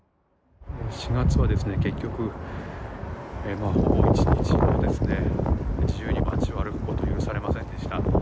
４月は結局、１日も自由に街を歩くことが許されませんでした。